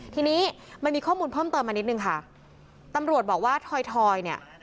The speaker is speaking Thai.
ทีนี้มันมีข้อมูลเพิ่มเติมมานิดนึงค่ะตำรวจบอกว่าถอยทอยเนี่ย